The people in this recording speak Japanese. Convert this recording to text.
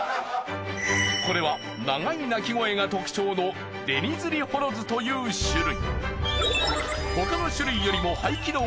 これは長い鳴き声が特徴のデニズリホロズという種類。